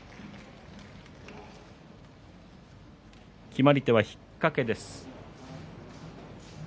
決まり手は引っかけです。